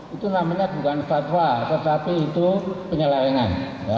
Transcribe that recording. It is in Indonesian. itu namanya bukan fatwa tetapi itu penyelewengan